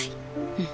うん。